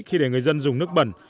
khi để người dân dùng nước bẩn